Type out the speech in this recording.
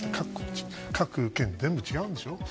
各県が全部違うんでしょ。